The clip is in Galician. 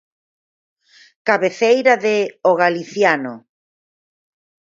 Cabeceira de 'O Galiciano'.